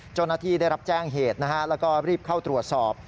จ้านทีได้รับแจ้งเหตุและรีบเข้าตรวจสอบ